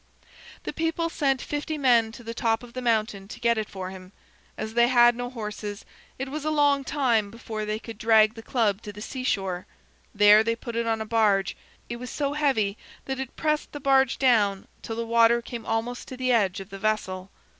The people sent fifty men to the top of the mountain to get it for him. As they had no horses, it was a long time before they could drag the club to the seashore. There they put it on a barge. It was so heavy that it pressed the barge down till the water came almost to the edge of the vessel.